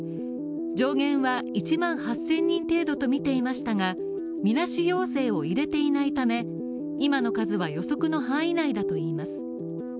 上限は１万８０００人程度だとみていましたが、みなし陽性を入れていないため、今の数は予測の範囲内だと言います。